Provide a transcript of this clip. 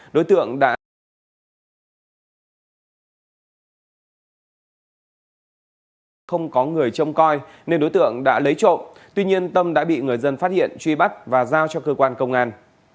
đối tượng đã lấy trộm tuy nhiên tâm đã bị người dân phát hiện truy bắt và giao cho cơ quan công an